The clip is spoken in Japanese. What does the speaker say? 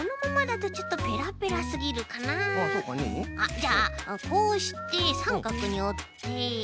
じゃあこうしてさんかくにおって。